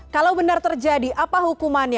kalau benar terjadi apa hukumannya